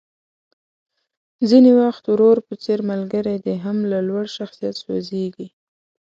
ځينې وخت ورور په څېر ملګری دې هم له لوړ شخصيت سوځېږي.